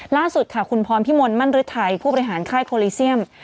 ล่าสุดค่ะคุณพรพิมลมั่นฤทัยผู้บริหารค่ายโคลิเซียม